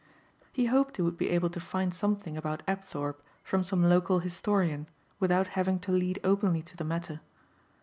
He hoped he would be able to find something about Apthorpe from some local historian without having to lead openly to the matter.